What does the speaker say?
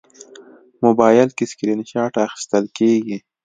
موبایل کې سکرین شات اخیستل کېږي.